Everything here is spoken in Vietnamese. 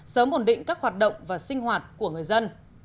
sớm ổn định các hoạt động và sinh hoạt của người dân